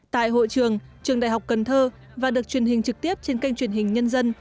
tại hội trường trường đại học cần thơ và được truyền hình trực tiếp trên kênh truyền hình nhân dân